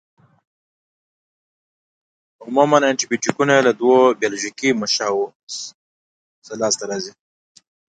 عموماً انټي بیوټیکونه له دوو بیولوژیکي منشأوو لاس ته راځي.